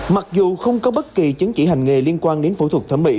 mặc dù không có bất kỳ chứng chỉ hành nghề liên quan đến phẫu thuật thẩm mỹ